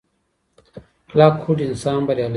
کلکه هوډ انسان بریالی کوي.